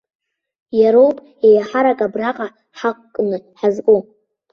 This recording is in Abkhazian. Иароуп еиҳарак абраҟа ҳақәкны ҳазку.